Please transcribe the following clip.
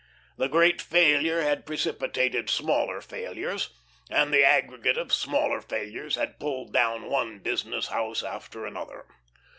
The great failure had precipitated smaller failures, and the aggregate of smaller failures had pulled down one business house after another.